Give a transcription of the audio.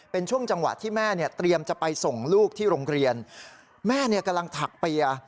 เป็นช่วงจังหวะที่แม่เนี่ยเตรียมจะไปส่งลูกที่โรงเรียนแม่เนี่ยกำลังถักเปียร์